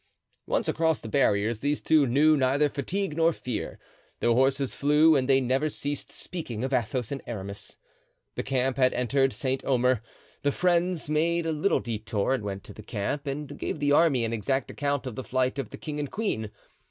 Once across the barriers these two knew neither fatigue nor fear. Their horses flew, and they never ceased speaking of Athos and Aramis. The camp had entered Saint Omer; the friends made a little detour and went to the camp, and gave the army an exact account of the flight of the king and queen.